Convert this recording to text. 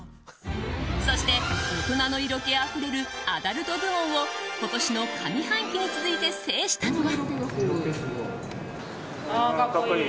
そして、大人の色気あふれるアダルト部門を今年の上半期に続いて制したのは。